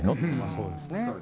そうですね。